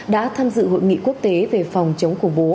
đã tham dự hội nghị quốc tế về phòng chống khủng bố